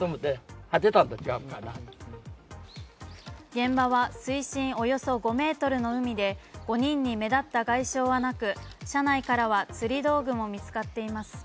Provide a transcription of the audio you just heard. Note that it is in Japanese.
現場は水深およそ５ｍの海で５人の目立った外傷はなく、車内からは釣り道具も見つかっています。